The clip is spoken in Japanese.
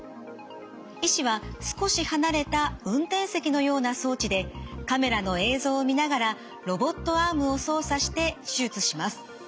医師は少し離れた運転席のような装置でカメラの映像を見ながらロボットアームを操作して手術します。